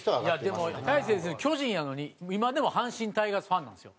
でも大勢選手巨人やのに今でも阪神タイガースファンなんですよ。